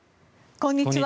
こんにちは。